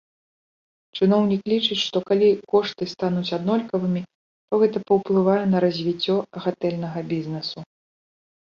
Чыноўнік лічыць, што калі кошты стануць аднолькавымі, то гэта паўплывае на развіццё гатэльнага бізнэсу.